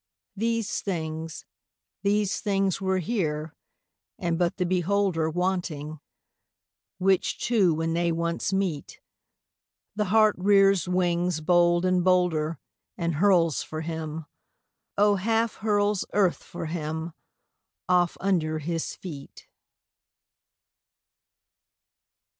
These things, these things were here and but the beholder Wanting; which two when they once meet, The heart rears wings bold and bolder And hurls for him, O half hurls earth for him off under his feet.